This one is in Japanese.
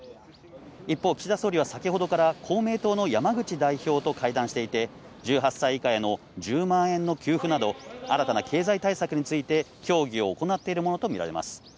一方、岸田総理は先ほどから公明党の山口代表と会談していて、１８歳以下への１０万円の給付など新たな経済対策について協議を行っているものとみられます。